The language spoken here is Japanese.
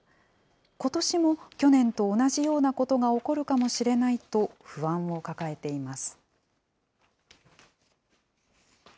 ことしも去年と同じようなことが起こるかもしれないと、不安を抱えています。